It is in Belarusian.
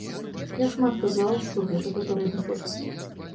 Я шмат казаў, што гэта папярэдні тэкст.